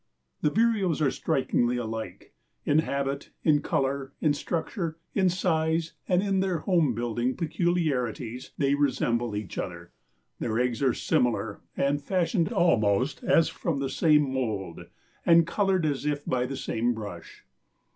The vireos are strikingly alike. In habit, in color, in structure, in size and in their home building peculiarities they resemble each other. Their eggs are similar and "fashioned almost as from the same mold, and colored as if by the same brush."